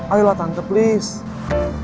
ayolah tante please